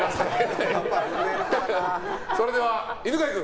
それでは犬飼君